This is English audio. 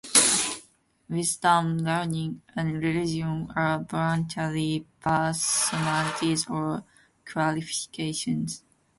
Wisdom, learning, and religion, are voluntary personalities or qualifications.